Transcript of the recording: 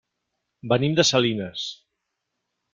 Venim de Salinas.